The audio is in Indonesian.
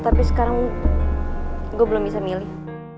tapi sekarang gue belum bisa milih